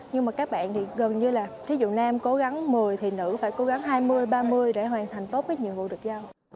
nhưng mà các bạn thì gần như là thí dụ nam cố gắng một mươi thì nữ phải cố gắng hai mươi ba mươi để hoàn thành tốt cái nhiệm vụ được giao